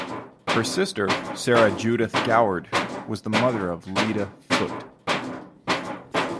Her sister Sarah Judith Goward was the mother of Lydia Foote.